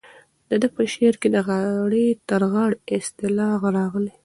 د ده په شعر کې د غاړې تر غاړې اصطلاح راغلې.